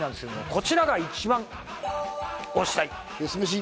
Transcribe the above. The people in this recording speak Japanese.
こちらが一番推したい。